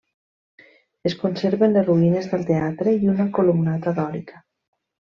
Es conserven les ruïnes del teatre i una columnata dòrica.